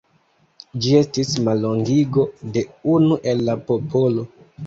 Ĝi estis mallongigo de "Unu el la popolo".